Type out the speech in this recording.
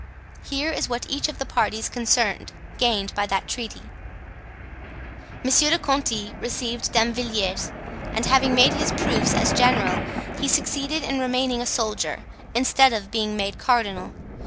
Here is what each of the parties concerned gained by that treaty: Monsieur de Conti received Damvilliers, and having made his proofs as general, he succeeded in remaining a soldier, instead of being made cardinal.